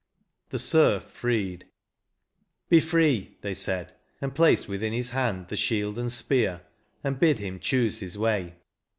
57 XXVIII. THE SERF FREED. " Be free," they said, and placed within his hand The shield and speax, and hid him choose his way.